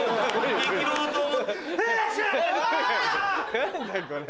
何だこれ。